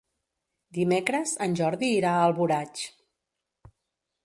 Dimecres en Jordi irà a Alboraig.